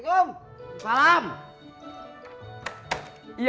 nah bokornya tadi